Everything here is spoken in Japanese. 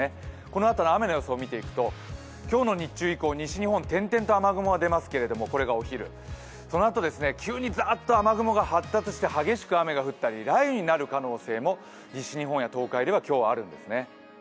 このあとの雨の様子を見ていくと今日の日中以降、西日本、点々と雨雲が出ますけれどもこれがお昼、そのあと、急にざっと雨雲が発達して激しく雨が降ったり雷雨になる可能性も西日本や東海では、今日、あるんですね。